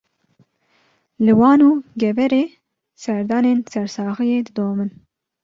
Li Wan û Geverê, serdanên sersaxiyê didomin